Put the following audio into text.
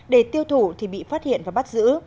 để tiêu thủ thì bị phát hiện và bắt giữ